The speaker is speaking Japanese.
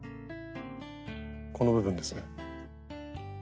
この部分ですね。